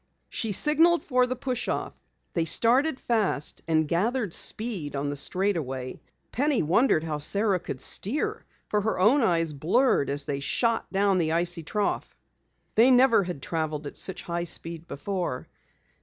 She signaled for the push off. They started fast and gathered speed on the straightaway. Penny wondered how Sara could steer for her own eyes blurred as they shot down the icy trough. They never had traveled at such high speed before.